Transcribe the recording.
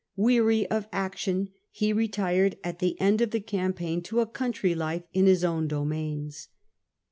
Weary of action, he retired at the end of the campaign to a country life in his own domains.